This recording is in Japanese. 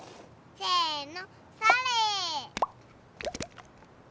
せの！